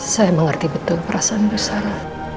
saya mengerti betul perasaan busara